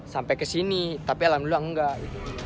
sampai kesini tapi alhamdulillah enggak